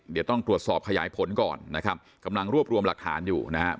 เดี๋ยวต้องตรวจสอบขยายผลก่อนนะครับกำลังรวบรวมหลักฐานอยู่นะครับ